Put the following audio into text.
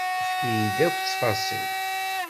Efk-iyi-d akk ttfaṣil.